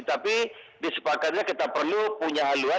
tapi disepakatnya kita perlu punya haluan